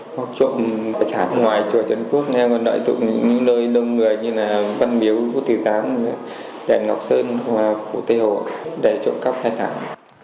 học trộm tài sản ngoài chùa trấn quốc em còn đợi tụng những nơi đông người như là văn biếu phú tử tám đài ngọc sơn hòa khu tây hồ để trộm cắp tài sản